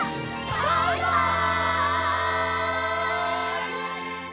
バイバイ！